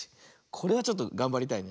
これはちょっとがんばりたい。